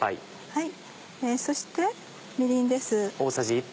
そしてみりんです。